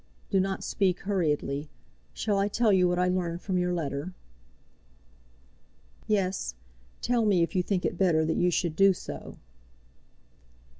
Do not speak hurriedly. Shall I tell you what I learned from your letter?" "Yes; tell me, if you think it better that you should do so."